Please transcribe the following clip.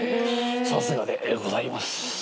さすがでございます。